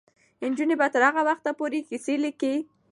نجونې به تر هغه وخته پورې کیسې لیکي.